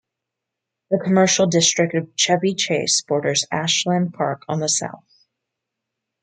The commercial district of Chevy Chase borders Ashland Park on the south.